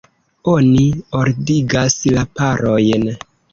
Oni ordigas la parojn.